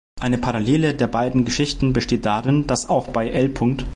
Eine Parallele der beiden Geschichten besteht darin, dass auch bei "L.